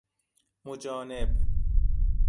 مجانب